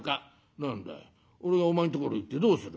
「何だい俺がお前んところ行ってどうする」。